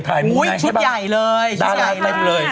ถ้าชวนพี่ม้าไปได้พี่จะไปด้วย